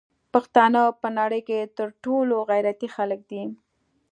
پښتانه په نړی کی تر ټولو غیرتی خلک دی